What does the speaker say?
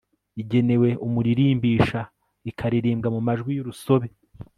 igenewe umuririmbisha, ikaririmbwa mu majwi y'urusobe